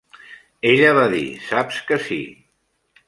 Ella va dir: "Saps que sí".